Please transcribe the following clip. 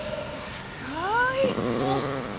すごーい！